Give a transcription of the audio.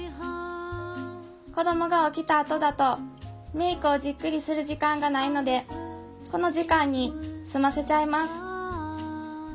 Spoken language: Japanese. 子どもが起きたあとだとメイクをじっくりする時間がないのでこの時間に済ませちゃいます。